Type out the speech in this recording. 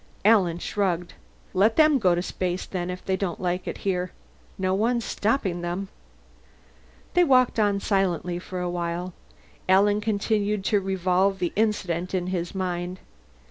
Alan shrugged. "Let them go to space, then, if they don't like it here. No one's stopping them." They walked on silently for a while. Alan continued to revolve the incident in his mind.